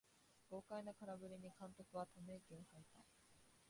豪快な空振りに監督はため息をはいた